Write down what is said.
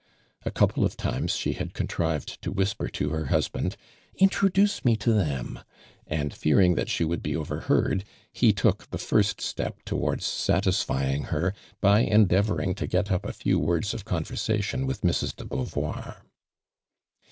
A coui)le of times she had contrived to whisper to her husband :" In troduce me to them," and fearing that she would be overheard, he took the first step towai ds satisfying her by endeavoring to get up a few woi ds of conversation with Mrs, <le Beauvoir.